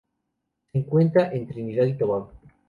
Se encuentra en Trinidad y Tobago.